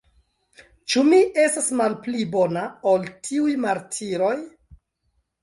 Ĉu mi estas malpli bona, ol tiuj martiroj?